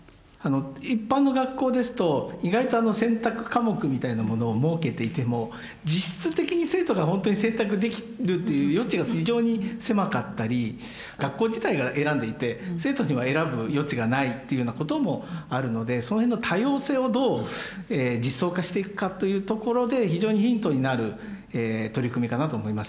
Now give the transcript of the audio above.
一般の学校ですと意外と選択科目みたいなものを設けていても実質的に生徒がほんとに選択できるという余地が非常に狭かったり学校自体が選んでいて生徒たちには選ぶ余地がないというようなこともあるのでそのへんの多様性をどう実装化していくかというところで非常にヒントになる取り組みかなと思いました。